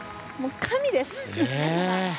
神です。